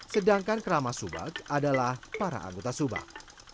sedangkan kerama subak adalah para anggota subak